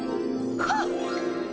はっ！